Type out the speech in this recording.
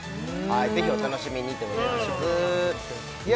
ぜひお楽しみにいや